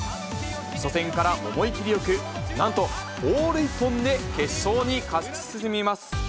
初戦から思い切りよく、なんとオール一本で決勝に勝ち進みます。